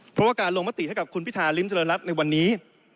เพราะว่าการลงมติให้กับคุณพิธาริมเจริญรัฐในวันนี้